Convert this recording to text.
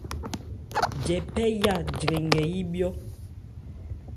Jɛphɛ́ya 'jrɛn nkɛ yíbhyɔ́.